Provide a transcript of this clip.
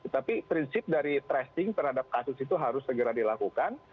tapi prinsip dari tracing terhadap kasus itu harus segera dilakukan